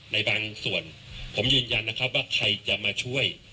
ในบางส่วนผมยืนยันนะครับว่าใครจะมาช่วย